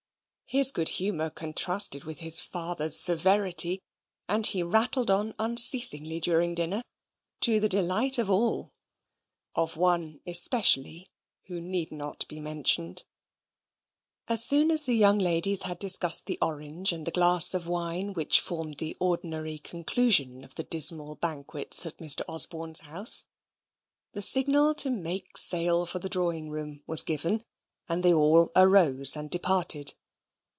His good humour contrasted with his father's severity; and he rattled on unceasingly during dinner, to the delight of all of one especially, who need not be mentioned. As soon as the young ladies had discussed the orange and the glass of wine which formed the ordinary conclusion of the dismal banquets at Mr. Osborne's house, the signal to make sail for the drawing room was given, and they all arose and departed.